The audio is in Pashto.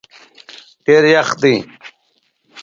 ډېر یخ دی